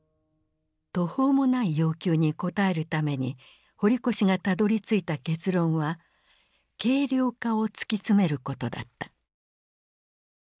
途方もない要求に応えるために堀越がたどりついた結論は軽量化を突き詰めることだった。